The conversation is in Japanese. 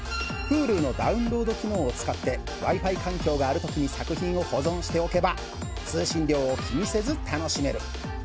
Ｈｕｌｕのダウンロード機能を使ってワイファイ環境がある時に作品を保存しておけば通信料を気にせず楽しめる